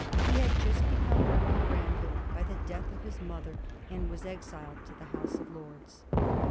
He had just become Earl Granville by the death of his mother, and was exiled to the House of Lords.